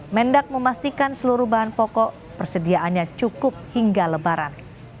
mendak memastikan seluruh bahan pokok persediaannya cukup hingga lebaran